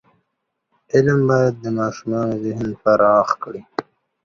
فلم باید د ماشومانو ذهن پراخ کړي